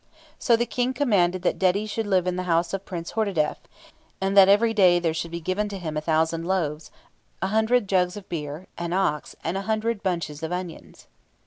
So the King commanded that Dedi should live in the house of Prince Hordadef; and that every day there should be given to him a thousand loaves, a hundred jugs of beer, an ox, and a hundred bunches of onions!